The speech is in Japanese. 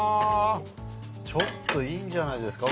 ちょっといいんじゃないですか？